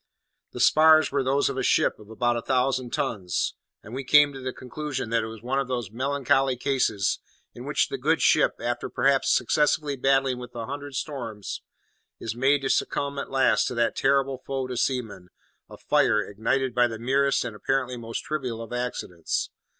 The spars were those of a ship of about a thousand tons; and we came to the conclusion that it was one of those melancholy cases in which the good ship, after perhaps successfully battling with a hundred storms, is made to succumb at last to that terrible foe to seamen, a fire, ignited by the merest and apparently most trivial of accidents.